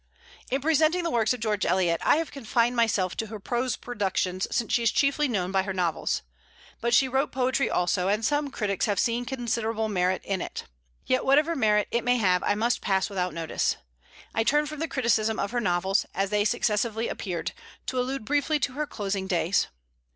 In presenting the works of George Eliot, I have confined myself to her prose productions, since she is chiefly known by her novels. But she wrote poetry also, and some critics have seen considerable merit in it. Yet whatever merit it may have I must pass without notice. I turn from the criticism of her novels, as they successively appeared, to allude briefly to her closing days.